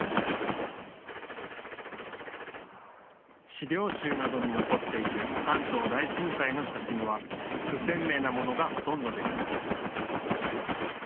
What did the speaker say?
資料集などに残っている関東大震災の写真は不鮮明なものがほとんどです。